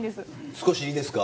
少しいいですか？